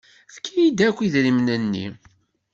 Efk-iyi-d akk idrimen-nni.